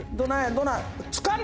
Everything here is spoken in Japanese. どない？」